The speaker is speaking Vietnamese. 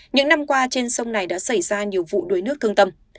những năm qua trên sông này đã xảy ra nhiều vụ đuối nước thương tâm